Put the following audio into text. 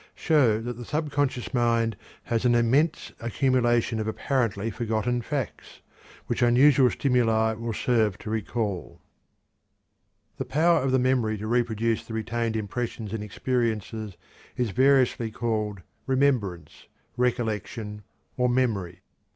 show that the subconscious mind has an immense accumulation of apparently forgotten facts, which unusual stimuli will serve to recall. The power of the memory to reproduce the retained impressions and experiences is variously called remembrance, recollection, or memory.